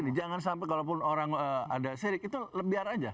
jadi gini jangan sampai kalau orang ada serik itu biar aja